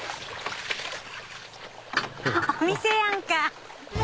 お店やんか。